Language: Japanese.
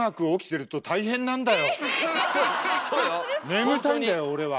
眠たいんだよ俺は。